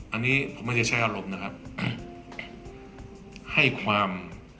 อันนี้ผมไม่ได้ใช้อารมณ์นะครับให้ความ